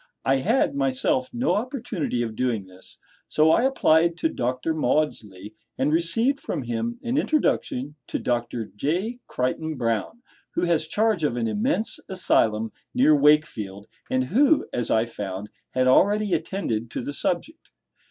I had, myself, no opportunity of doing this, so I applied to Dr. Maudsley and received from him an introduction to Dr. J. Crichton Browne, who has charge of an immense asylum near Wakefield, and who, as I found, had already attended to the subject.